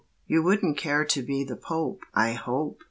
You wouldn't care to be the Pope, I hope?